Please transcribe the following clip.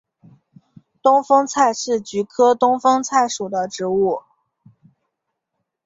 东风菜是菊科东风菜属的植物。